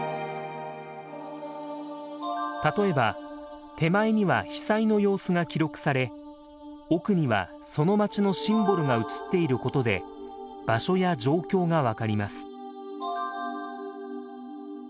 例えば手前には被災の様子が記録され奥にはその町のシンボルが写っていることで場所や状況が分かります。